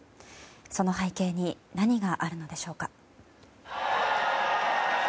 その背景に何があるのでしょうか。